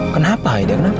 kenapa aida kenapa